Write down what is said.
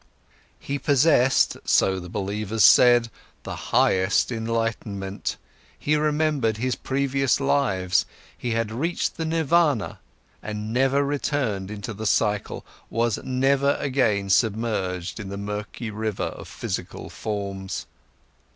He possessed, so the believers said, the highest enlightenment, he remembered his previous lives, he had reached the nirvana and never returned into the cycle, was never again submerged in the murky river of physical forms.